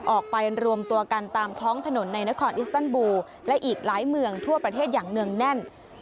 ออกไปรวมตัวกันตามท้องถนนในนครอิสตันบูและอีกหลายเมืองทั่วประเทศอย่างเนื่องแน่น